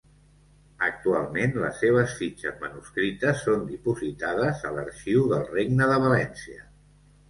Actualment les seves fitxes manuscrites són dipositades a l'Arxiu del Regne de València.